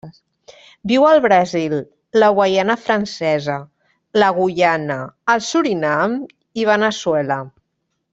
Viu al Brasil, la Guaiana Francesa, la Guyana, el Surinam i Veneçuela.